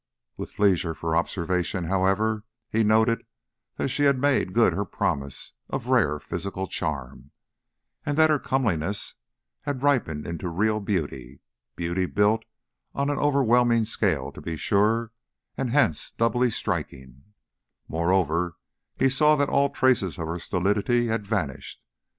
With leisure for observation, however, he noted that she had made good her promise of rare physical charm, and that her comeliness had ripened into real beauty beauty built on an overwhelming scale, to be sure, and hence doubly striking moreover, he saw that all traces of her stolidity had vanished.